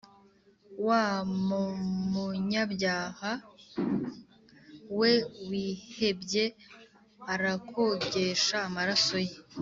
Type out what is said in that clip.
Wa mmunyabyaha we wihebye arakogesha amaraso ye